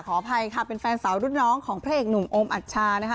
อภัยค่ะเป็นแฟนสาวรุ่นน้องของพระเอกหนุ่มโอมอัชชานะคะ